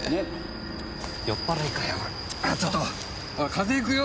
風邪ひくよ！